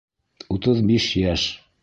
Утыҙ биш йәш.